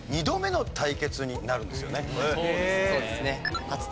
２度目の対決になるんですよね。